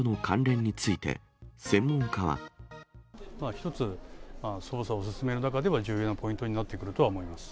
一つ、捜査を進める中では、重要なポイントになってくるとは思います。